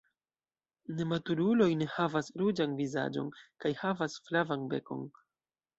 Nematuruloj ne havas ruĝan vizaĝon kaj havas flavan bekon.